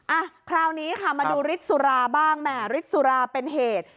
อ่ะคราวนี้ค่ะมาดูฤทธิสุราบ้างแหม่ฤทธิสุราเป็นเหตุ